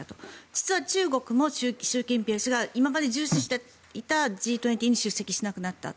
実は中国も習近平氏が今まで重視していたＧ２０に出席しなくなった。